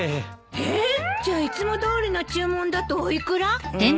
ええっ！じゃあいつもどおりの注文だとお幾ら？